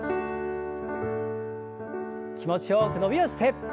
気持ちよく伸びをして。